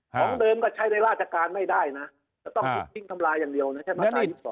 ของเดิมก็ใช้ในราชการไม่ได้นะจะต้องถูกทิ้งทำลายอย่างเดียวนะใช่ไหม